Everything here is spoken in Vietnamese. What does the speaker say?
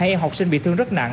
hai em học sinh bị thương rất nặng